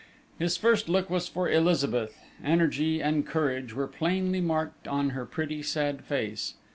His first look was for Elizabeth: energy and courage were plainly marked on her pretty, sad face.